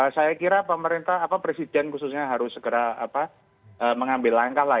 saya kira pemerintah presiden khususnya harus segera mengambil langkah lah